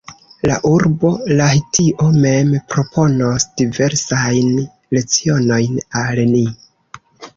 La urbo Lahtio mem proponos diversajn lecionojn al ni.